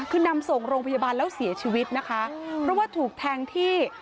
คือนำส่งโรงพยาบาลแล้วเสียชีวิตนะคะเพราะว่าถูกแทงที่